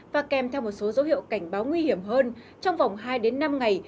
và kèm theo một số dấu hiệu cảnh báo nguy hiểm hơn trong vòng hai năm ngày